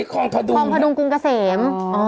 คลองพดุงคลองพดุงกรุงเกษม